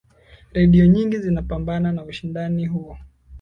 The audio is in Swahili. redio nyingi zinapambana na ushindani huo